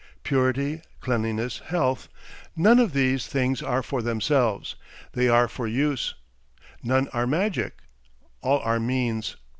Purity, cleanliness, health, none of these things are for themselves, they are for use; none are magic, all are means.